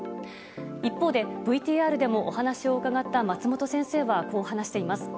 一方でＶＴＲでもお話を伺った松本先生は、こう話しています。